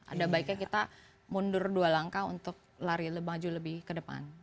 ada baiknya kita mundur dua langkah untuk lari maju lebih ke depan